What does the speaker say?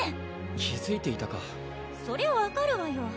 気づいていたかそりゃ分かるわよ